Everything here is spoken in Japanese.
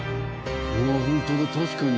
わあホントだ確かに。